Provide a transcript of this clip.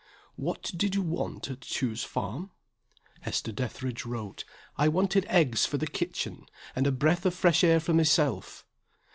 "What did you want at Chew's Farm?" Hester Dethridge wrote: "I wanted eggs for the kitchen, and a breath of fresh air for myself."